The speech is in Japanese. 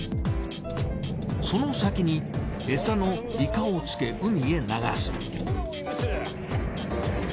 その先にエサのイカをつけ海へ流す。